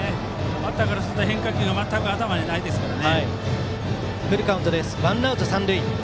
バッターからすると変化球がまったく頭にないですから。